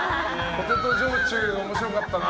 ポテト焼酎、面白かったな。